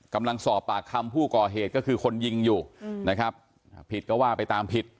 กำลังสอบปากคำผู้ก่อเหตุก็คือคนยิงอยู่นะครับผิดก็ว่าไปตามผิด